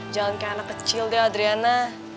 jalan kayak anak kecil deh adriana